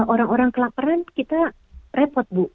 orang orang kelaparan kita repot bu